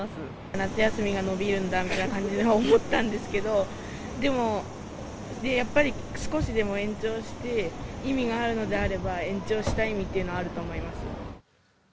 夏休みが延びるんだみたいな感じに思ったんですけど、でも、やっぱり少しでも延長して、意味があるのであれば、延長した意味というのはあると思います。